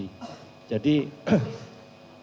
masalah liability atau ganti rugi